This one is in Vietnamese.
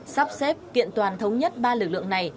sắp xếp kiện toàn thống nhất ba lực lượng này